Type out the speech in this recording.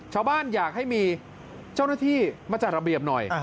อยากให้มีเจ้าหน้าที่มาจัดระเบียบหน่อย